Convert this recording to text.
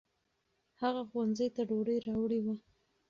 هغه ښوونځي ته ډوډۍ راوړې وه.